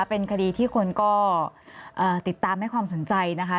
เป็นคดีที่คนก็ติดตามให้ความสนใจนะคะ